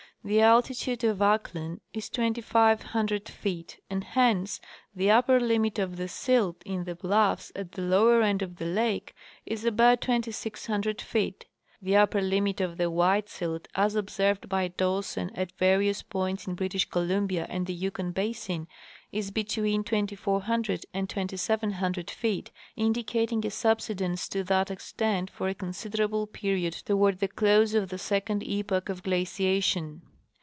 The altitude of Ahklen is 2,500 feet, and hence the upper limit of the silt in the bluffs at the lower end of the lake is about 2,600 feet. The upper limit of the white silt, as observed by Dawson at various points in British Columbia and the Yukon basin, is between 2,400 and 2,700 feet, indicating a subsidence to that extent for a considerable period toward the close of the second epoch of giaciation.